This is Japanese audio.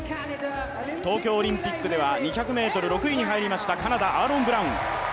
東京オリンピックでは２００ｍ６位に入りました、カナダ、アーロン・ブラウン。